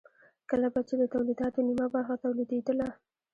کله به چې د تولیداتو نیمه برخه تولیدېدله